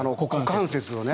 股関節をね。